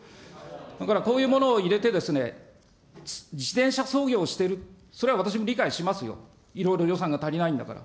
だからこういうものを入れてですね、自転車操業をしている、それは私も理解しますよ、いろいろ予算が足りないんだから。